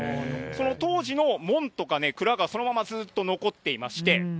その当時の門とかね、蔵がそのままずっと残っていまして。